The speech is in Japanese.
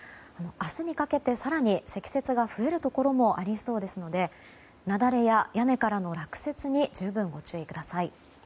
明日にかけて更に積雪が増えるところもありそうですので雪崩や屋根からの落雪に十分ご注意ください。